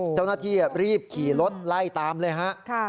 เจ้าหน้าที่รีบขี่รถไล่ตามเลยฮะ